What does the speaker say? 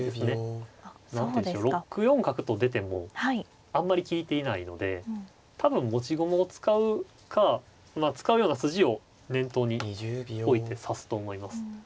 何ていうんでしょう６四角と出てもあんまり利いていないので多分持ち駒を使うか使うような筋を念頭に置いて指すと思います。